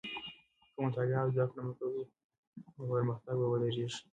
که مطالعه او زده کړه مه کوې، نو پرمختګ به ودرېږي.